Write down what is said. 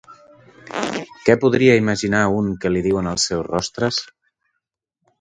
Què podria imaginar un que li diuen els seus rostres?